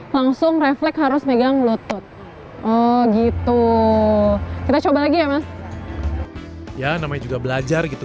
langsung refleks harus megang lutut oh gitu kita coba lagi ya mas ya namanya juga belajar gitu